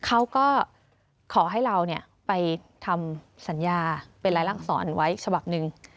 เขาก็ขอให้เราไปทำสัญญาเป็นรายลักษรไว้ฉบับหนึ่ง